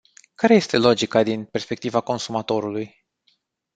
Care este logica din perspectiva consumatorului?